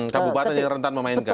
kabupaten yang rentan memainkan